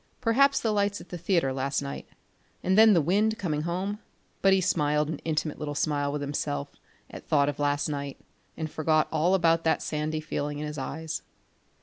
Perhaps the lights at the theatre last night, and then the wind coming home but he smiled an intimate little smile with himself at thought of last night and forgot all about that sandy feeling in his eyes.